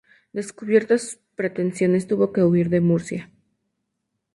Descubiertas sus pretensiones, tuvo que huir de Murcia.